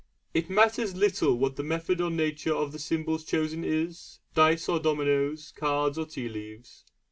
It matters little what the method or nature of the symbols chosen is dice or dominoes, cards or tea leaves.